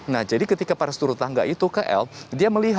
nah jadi ketika para seturut tangga itu ke l